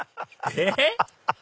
えっ？